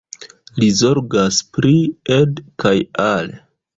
Li zorgas pri Ed kaj Al.